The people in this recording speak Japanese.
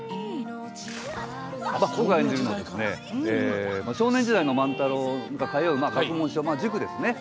僕が演じるのは少年時代の万太郎が通う学問所塾ですね。